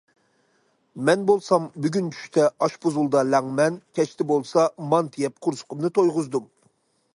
مەن بولسام، بۈگۈن چۈشتە ئاشپۇزۇلدا لەڭمەن، كەچتە بولسا مانتا يەپ قورسىقىمنى تويغۇزدۇم.